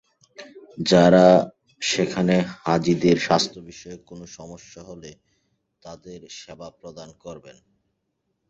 যাঁরা সেখানে হাজিদের স্বাস্থ্যবিষয়ক কোনো সমস্যা হলে তাঁদের সেবা প্রদান করবেন।